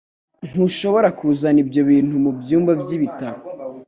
Ntushobora kuzana ibyo bintu mubyumba byibitaro